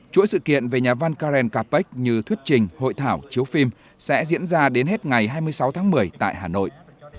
chuỗi sự kiện về nhà văn karen capec như thuyết trình hội thảo chiếu phim sẽ diễn ra đến hết ngày hai mươi sáu tháng một mươi tại hà nội